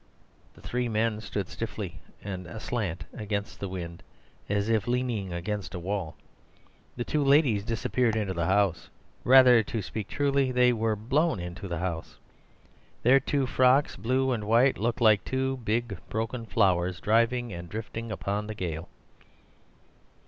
The three men stood stiffly and aslant against the wind, as if leaning against a wall. The two ladies disappeared into the house; rather, to speak truly, they were blown into the house. Their two frocks, blue and white, looked like two big broken flowers, driving and drifting upon the gale.